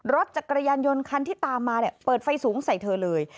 รถจักรยานยนต์คันที่ตามมาเนี่ยเปิดไฟสูงใส่เธอเลย